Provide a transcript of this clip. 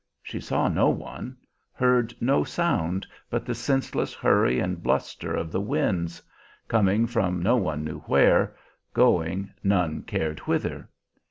She saw no one, heard no sound but the senseless hurry and bluster of the winds, coming from no one knew where, going none cared whither.